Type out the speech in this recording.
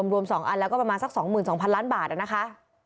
รวม๒อันแล้วก็ประมาณสัก๒๒๐๐ล้านบาทนะคะ